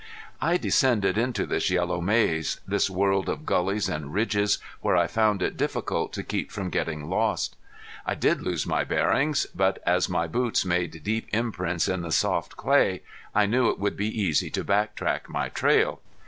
I descended into this yellow maze, this world of gullies and ridges where I found it difficult to keep from getting lost. I did lose my bearings, but as my boots made deep imprints in the soft clay I knew it would be easy to back track my trail.